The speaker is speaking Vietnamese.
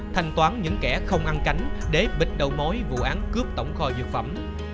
thành toán những kẻ không ăn cánh để bịt đầu mối vụ án cướp tổng kho dược phẩm